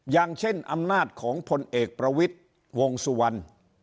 อย่างเช่นอำนาจของพลเอกประวิทย์วงสุวรรณ